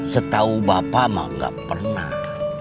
setahu bapak mah gak pernah